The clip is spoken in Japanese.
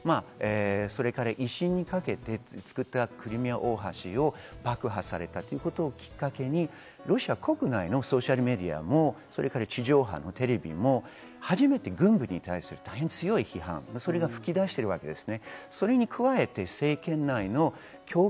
それから威信をかけて作ったクリミア大橋を爆破されたということをきっかけにロシア国内のソーシャルメディアもそれから地上波のテレビも初めて軍部に対する大変強い批判が噴き出しています。